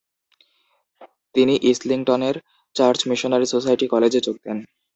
তিনি ইসলিংটনের Church Missionary Society কলেজে যোগ দেন।